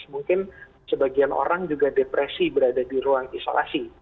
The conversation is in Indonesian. mungkin sebagian orang juga depresi berada di ruang isolasi